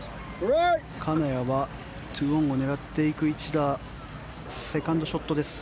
金谷は２オンを狙っていく一打セカンドショットです。